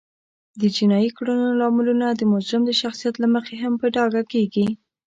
د جینایي کړنو لاملونه د مجرم د شخصیت له مخې هم په ډاګه کیږي